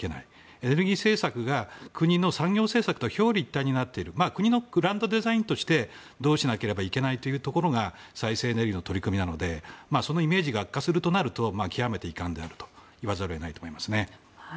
エネルギー政策が国の産業政策を表裏一体になっている国のブランドデザインとしてどうしなければいけないというところが再生エネルギーの取り組みなのでそのイメージが悪化するとなると極めて遺憾であると言わざるを得ないと思いますね。